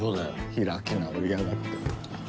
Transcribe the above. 開き直りやがって。